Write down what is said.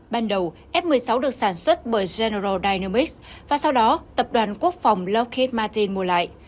ban đầu f một mươi sáu được sản xuất bởi general dynamics và sau đó tập đoàn quốc phòng lockheed martin mua lại